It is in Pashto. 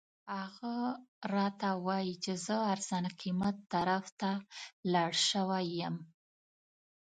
هغه راته وایي چې زه ارزان قیمت طرف ته لاړ شوی یم.